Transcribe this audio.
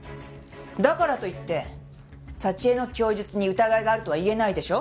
だからといって佐知恵の供述に疑いがあるとは言えないでしょ？